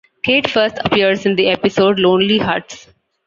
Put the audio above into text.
Kate first appears in the episode "Lonely Hearts".